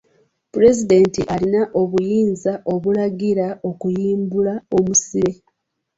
Pulezidenti alina obuyinza obulagira okuyimbula omusibe.